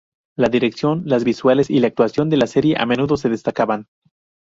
La dirección, las visuales y la actuación de la serie a menudo se destacaban.